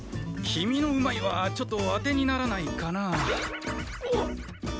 君の「うまい」はちょっと当てにならないかな。